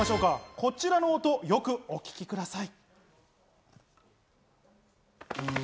こちらの音をよくお聞きください。